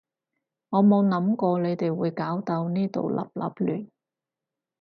我冇諗過你哋會搞到呢度笠笠亂